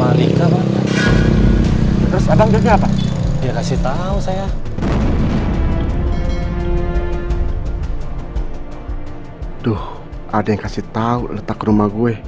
aduh ada yang kasih tau letak ke rumah gue